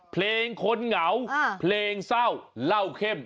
เพลงคนเหงาเพลงเศร้าเล่าเข้ม